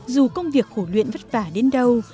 dù công việc khổ luyện vất vả đến đâu